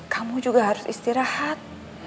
kamu juga harus istirahat